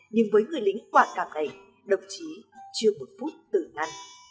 nhưng với người lính quả cảm này độc trí chưa một phút tử năn